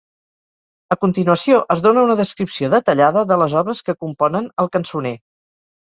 A continuació es dóna una descripció detallada de les obres que componen el cançoner.